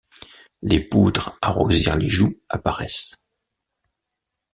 Les poudres à rosir les joues apparaissent.